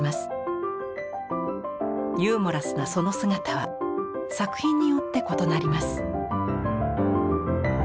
ユーモラスなその姿は作品によって異なります。